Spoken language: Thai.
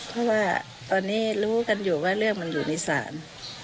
เพราะว่าตอนนี้รู้กันอยู่ว่าเรื่องมันอยู่ในศาล